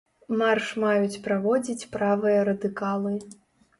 Марш маюць праводзіць правыя радыкалы.